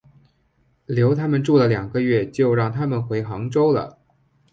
留他们住了两个月就让他们回杭州了。